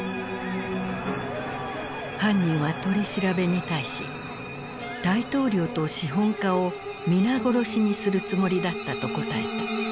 犯人は取り調べに対し「大統領と資本家を皆殺しにするつもりだった」と答えた。